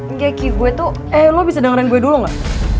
enggak key gue tuh eh lo bisa dengerin gue dulu gak